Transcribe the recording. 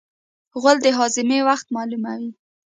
غول د هاضمې وخت معلوموي.